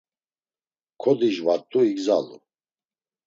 Kodijvat̆u, igzalu.